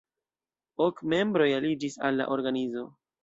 Ok membroj aliĝis al la organizo.